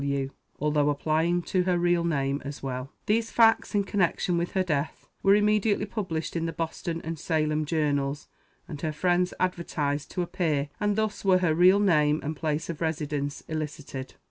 W.," although applying to her real name as well. These facts, in connection with her death, were immediately published in the Boston and Salem journals, and her friends advertised to appear; and thus were her real name and place of residence elicited.